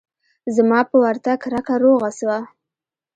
زما په ورتگ رکه روغه سوه.